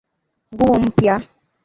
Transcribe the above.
Nguo mpya.